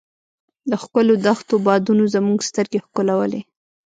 د ښکلو دښتو بادونو زموږ سترګې ښکلولې.